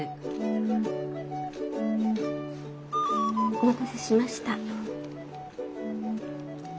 お待たせしました。